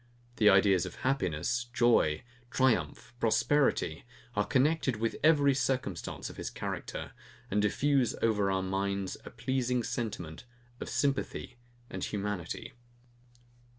The ideas of happiness, joy, triumph, prosperity, are connected with every circumstance of his character, and diffuse over our minds a pleasing sentiment of sympathy and humanity.